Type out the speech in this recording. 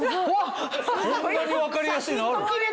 こんなに分かりやすいのある？